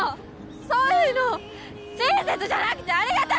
そういうの親切じゃなくてありがた